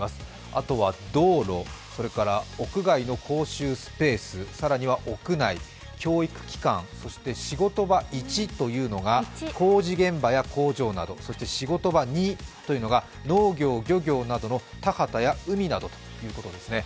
あとは道路、屋内のスペース更には屋内、教育機関、仕事場①というのが工事現場や工場など、そして仕事場②というのが農業・漁業などの田畑や海などということですね。